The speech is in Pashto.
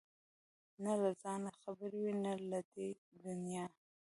نه له ځانه خبر وي نه له دنيا نه!